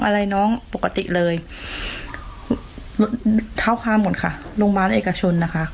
อะไรน้องปกติเลยเท้าความหมดค่ะโรงพยาบาลเอกชนนะคะ